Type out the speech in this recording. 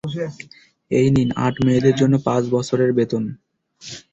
এইনিন, আট মেয়েদের জন্য পাঁচ বছরের বেতন।